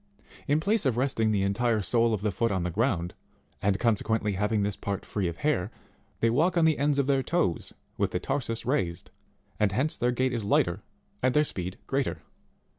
In place of resting the entire sole of the foot on the ground and consequently having this part free of hair, they walk on the ends of their toes with the tarsus raised, and hence their gait is lighter, and their speed greater.